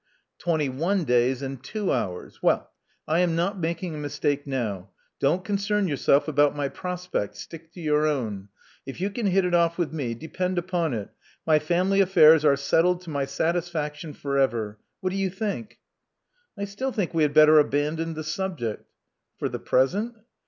'* Twenty one days and two hours. Well, I am not making a mistake now. Don't concern yourself about my prospects: stick to your own. If you can hit it off with me, depend upon it, my family affairs are settled to my satisfaction for ever. What do you think?" '*I still think we had better abandon the subject." For the present?"